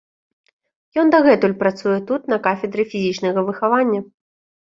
Ён дагэтуль працуе тут на кафедры фізічнага выхавання.